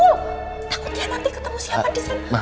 takut dia nanti ketemu siapa disana